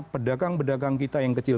pedagang pedagang kita yang kecil